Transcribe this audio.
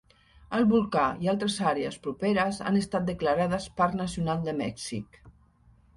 El volcà i altres àrees properes han estat declarades Parc Nacional de Mèxic.